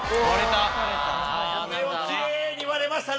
割れた！